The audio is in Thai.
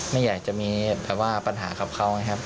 ไม่อยากจะมีแบบว่าปัญหากับเขาไงครับ